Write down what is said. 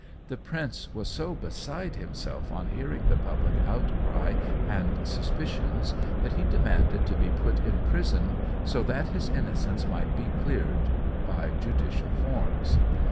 The prince was so beside himself on hearing the public outcry and suspicions that he demanded to be put in prison so that his innocence might be cleared by judicial forms.